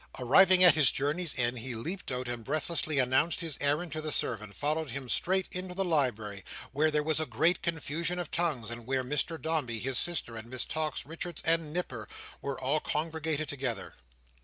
Arriving at his journey's end, he leaped out, and breathlessly announcing his errand to the servant, followed him straight into the library, we there was a great confusion of tongues, and where Mr Dombey, his sister, and Miss Tox, Richards, and Nipper, were all congregated together.